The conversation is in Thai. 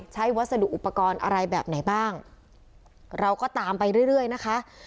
วัสดุอุปกรณ์อะไรแบบไหนบ้างเราก็ตามไปเรื่อยเรื่อยนะคะ